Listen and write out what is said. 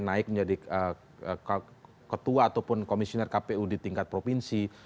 naik menjadi ketua ataupun komisioner kpu di tingkat provinsi